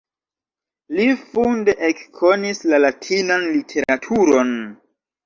Li funde ekkonis la Latinan literaturon.